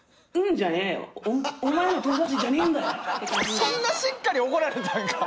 そんなしっかり怒られたんか。